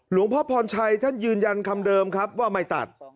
หลวงพ่อพรชัยท่านยืนยันคำเดิมครับว่าไม่ตัด